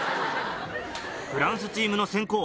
フランスチームの先攻。